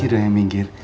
kasih dong yang minggir